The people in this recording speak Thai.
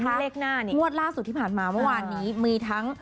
เลขหน้าเนี่ยงวดล่าสุดที่ผ่านมาเมื่อวานนี้มีทั้ง